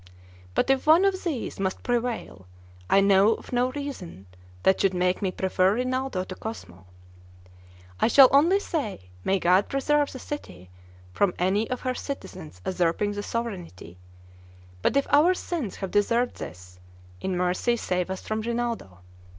But if one of these must prevail, I know of no reason that should make me prefer Rinaldo to Cosmo. I shall only say, may God preserve the city from any of her citizens usurping the sovereignty, but if our sins have deserved this, in mercy save us from Rinaldo.